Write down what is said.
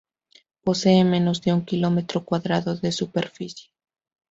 Posee menos de un kilómetro cuadrado de superficie.